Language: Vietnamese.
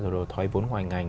rồi thói vốn ngoài ngành